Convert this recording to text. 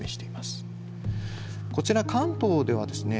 こちら関東ではですね